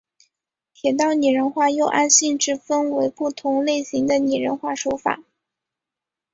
铁道拟人化又按性质分为不同类型的拟人化手法。